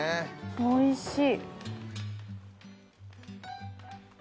おいしい。